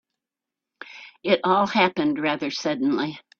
It all happened rather suddenly.